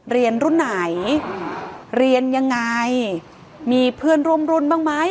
เรียนรุ่นไหนเรียนยังไงมีเพื่อนร่วมรุ่นบ้างไหม